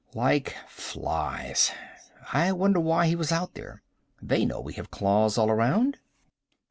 "Like flies. I wonder why he was out there. They know we have claws all around."